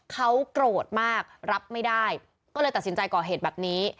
เขาโกรธมากรับไม่ได้ก็เลยตัดสินใจก่อเหตุแบบนี้